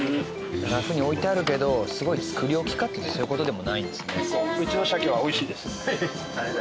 ラックに置いてあるけどすごい作り置きかっていうとそういう事でもないんですね。